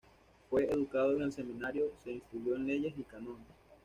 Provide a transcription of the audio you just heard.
Fue educado en el Seminario, se instruyó en Leyes y Cánones.